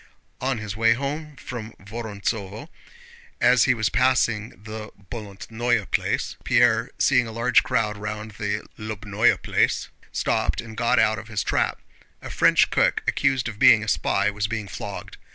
On his way home from Vorontsóvo, as he was passing the Bolótnoe Place Pierre, seeing a large crowd round the Lóbnoe Place, stopped and got out of his trap. A French cook accused of being a spy was being flogged.